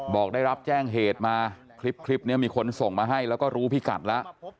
บอกได้รับแจ้งเหตุมาคลิปนี้มีคนส่งมาให้แล้วก็รู้พิกัดแล้ว